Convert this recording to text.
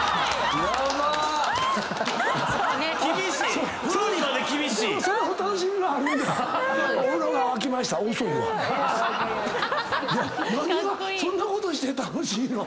何がそんなことして楽しいの？